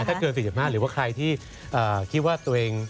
ถ้าเกิน๔๕หรือว่าใครที่คิดว่าตัวเอง